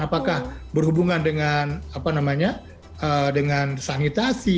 apakah berhubungan dengan apa namanya dengan sanitasi